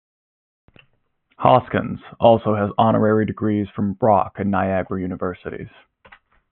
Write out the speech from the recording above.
Hoskins also has honorary degrees from Brock and Niagara Universities.